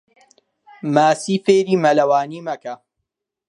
ماسی فێری مەلەوانی مەکە.